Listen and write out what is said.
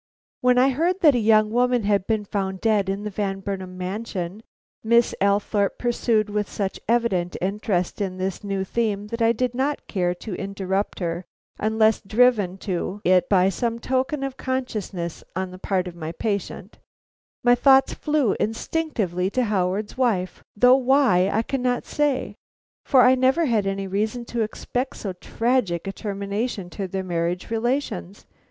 "When I heard that a young woman had been found dead in the Van Burnam mansion," Miss Althorpe pursued with such evident interest in this new theme that I did not care to interrupt her unless driven to it by some token of consciousness on the part of my patient, "my thoughts flew instinctively to Howard's wife. Though why, I cannot say, for I never had any reason to expect so tragic a termination to their marriage relations.